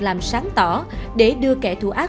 làm sáng tỏ để đưa kẻ thù ác